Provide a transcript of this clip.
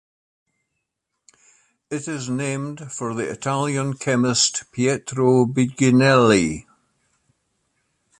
It is named for the Italian chemist Pietro Biginelli.